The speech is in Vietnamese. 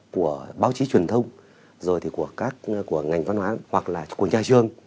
của báo chí truyền thông rồi thì của các của ngành văn hóa hoặc là của nhà trường